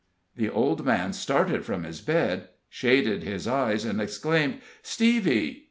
The old man started from his bed, shaded his eyes, and exclaimed: "Stevie!"